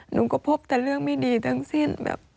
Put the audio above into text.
หนูก็พบแต่เรื่องไม่ดีทั้งสิ้นแบบ